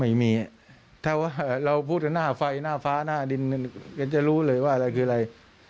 ไม่มีถ้าว่าเราพูดกันหน้าไฟหน้าฟ้าหน้าดินก็จะรู้เลยว่าอะไรคืออะไร